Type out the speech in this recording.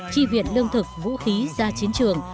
chi viện lương thực vũ khí ra chiến trường